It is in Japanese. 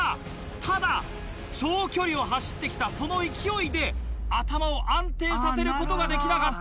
ただ長距離を走って来たその勢いで頭を安定させることができなかった。